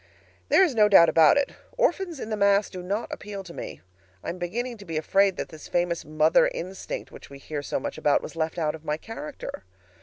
There is no doubt about it orphans in the mass do not appeal to me. I am beginning to be afraid that this famous mother instinct which we hear so much about was left out of my character.